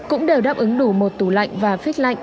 cũng đều đáp ứng đủ một tủ lạnh và phích lạnh